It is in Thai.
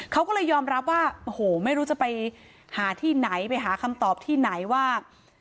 เขาก็เลยยอมรับว่าโอ้โหไม่รู้จะไปหาที่ไหนไปหาคำตอบที่ไหนว่า